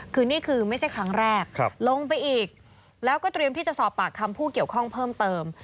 คือนี่คือไม่ใช่ครั้งแรกลงไปอีกแล้วก็เตรียมที่จะสอบปากคำผู้เกี่ยวข้องเพิ่มเติม